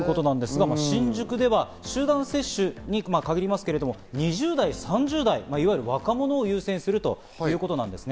新宿では集団接種に限りますけど、２０代、３０代、いわゆる若者を優先するということなんですね。